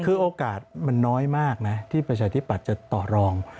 คือโอกาสมันน้อยมากนะที่ประชาธิปัตย์จะต่อรอง